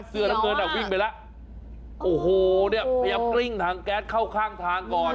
เสื้อน้ำเงินอ่ะวิ่งไปแล้วโอ้โหเนี่ยพยายามกริ้งถังแก๊สเข้าข้างทางก่อน